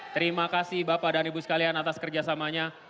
terima kasih bapak dan ibu sekalian atas kerjasamanya